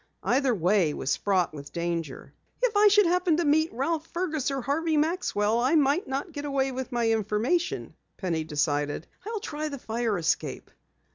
Either way was fraught with danger. "If I should happen to meet Ralph Fergus or Harvey Maxwell, I might not get away with my information," Penny decided. "I'll try the fire escape."